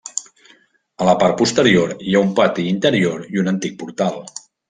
A la part posterior hi ha un pati interior i un antic portal.